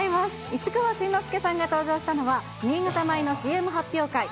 市川新之助さんが登場したのは、新潟米のＣＭ発表会。